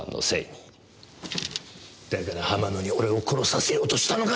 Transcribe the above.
だから浜野に俺を殺させようとしたのか！